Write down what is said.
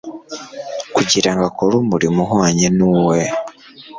kugira ngo akore umurimo uhwanye n'uwe.